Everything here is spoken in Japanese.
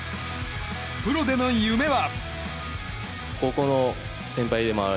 プロでの夢は。